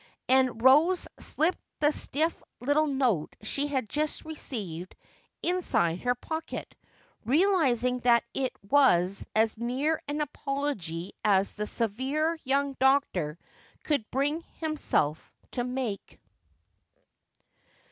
And Rose slipped the stiff little note she had just received inside her pocket, realizing that it was as near an apology as the severe young doctor could bring himself to make.